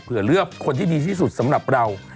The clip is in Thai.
เลือกคนที่ดีที่สุดสำหรับเรา